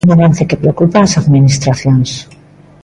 Un avance que preocupa ás administracións.